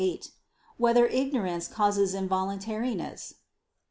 8] Whether Ignorance Causes Involuntariness?